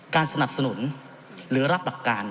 สนับสนุนหรือรับหลักการ